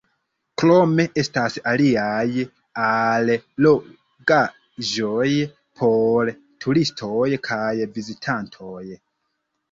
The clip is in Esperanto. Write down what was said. Krome estas aliaj allogaĵoj por turistoj kaj vizitantoj.